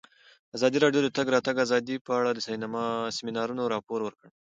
ازادي راډیو د د تګ راتګ ازادي په اړه د سیمینارونو راپورونه ورکړي.